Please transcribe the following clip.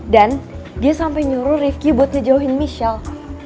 dan dia sampe nyuruh rifki buat ngejauhin michelle